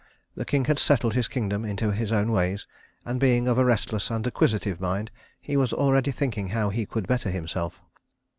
The king had settled his kingdom into his own ways, and being of a restless and acquisitive mind, he was already thinking how he could better himself.